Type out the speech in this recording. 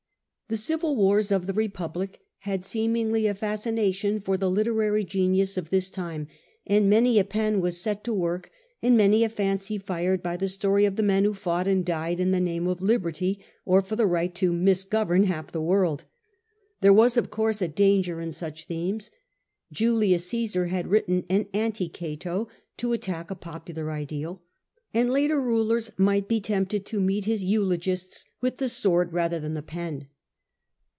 The civil wars of the Republic had seemingly a fascination for the literary genius of this time, and many a pen was set to work and many a fancy fired by the story of the men who fought and died in the name of liberty or for the right to misgovern half the world. There was, of course, a danger in such themes. Julius Ciesar had written an Anti Cato, to attack a popular ideal, and later rulers might be tempted to meet his eulogists with the sword rather than the pen.